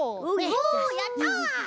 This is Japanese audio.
おやった！